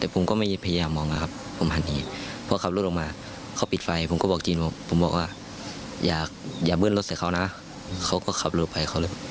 ปัญหาลักษณะอะไร